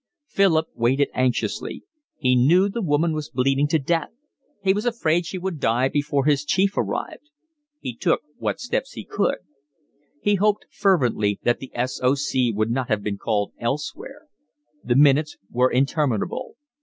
Philip waited anxiously; he knew the woman was bleeding to death; he was afraid she would die before his chief arrived; he took what steps he could. He hoped fervently that the S. O. C. would not have been called elsewhere. The minutes were interminable.